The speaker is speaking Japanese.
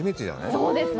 そうですね。